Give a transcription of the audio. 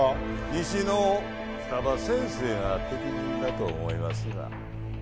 西の双葉先生が適任だと思いますが。